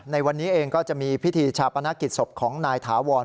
ในวันนี้เองก็จะมีพิธีชาปนกิจศพของนายถาวร